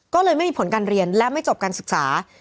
ก็เลยไม่มีผลการเรียนและไม่จบการศึกษา